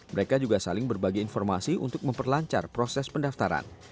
mereka juga saling berbagi informasi untuk memperlancar proses pendaftaran